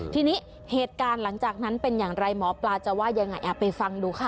ทีนี้เหตุการณ์หลังจากนั้นเป็นอย่างไรหมอปลาจะว่ายังไงไปฟังดูค่ะ